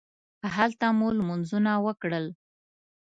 هلته مو لمونځونه وکړل.